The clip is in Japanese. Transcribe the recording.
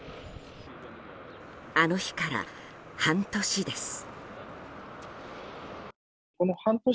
あの日から半年です。